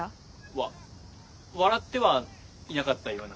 わ笑ってはいなかったような。